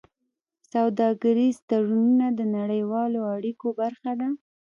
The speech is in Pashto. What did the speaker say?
سوداګریز تړونونه د نړیوالو اړیکو برخه ده.